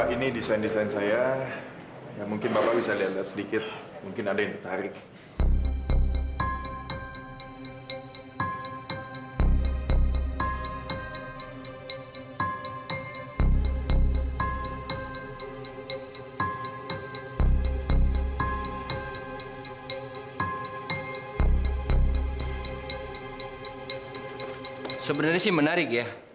kamu nggak usah minder gitu dong mit